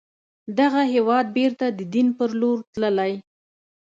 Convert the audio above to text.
دغه هېواد بیرته د دين پر لور تللی